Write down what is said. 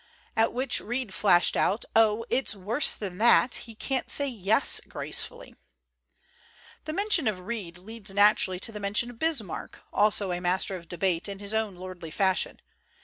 At which Reed flashed out: "Oh, it's worse than that. He can't say 'Yes' gracefully." The mention of Reed leads naturally to the mention of Bismarck, also a master of debate in his own lordly fashion.